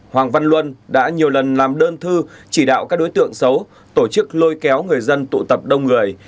hoàng văn luân đã nhiều lần làm đơn thư chỉ đạo các đối tượng xấu tổ chức lôi kéo người dân tụ tập đông người